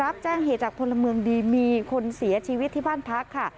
รับแจ้งเหตุจากพลเมืองดีมีคนเสียชีวิตที่บ้านพักค่ะ